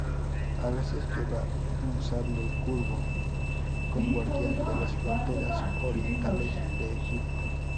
A veces lleva un sable curvo, como guardián de las fronteras orientales de Egipto.